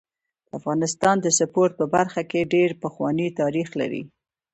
د افغانستان د سپورټ په برخه کي ډير پخوانی تاریخ لري.